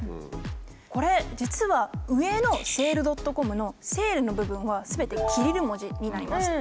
これ実は上の「セールドットコム」の「セール」の部分はすべてキリル文字になります。